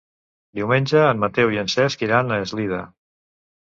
Diumenge en Mateu i en Cesc iran a Eslida.